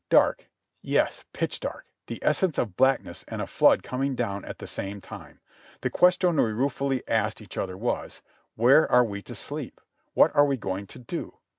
Dark ! yes, pitch dark, the essence of blackness and a flood coming down at the same time. The question we ruefully asked each other was, "Where are we to sleep?" "What are we going to do?"